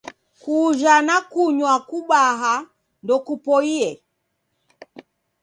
Kujha na kunywa kubaha ndokupoie.